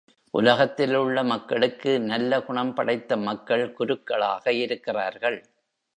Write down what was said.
உலகத்திலுள்ள மக்களுக்கு நல்ல குணம் படைத்த மக்கள் குருக்களாக இருக்கிறார்கள்.